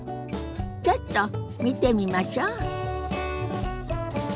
ちょっと見てみましょ。